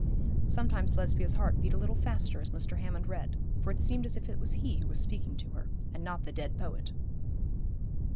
Sometimes Lesbia's heart beat a little faster as Mr. Hammond read, for it seemed as if it was he who was speaking to her, and not the dead poet.